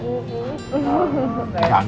gak gak telat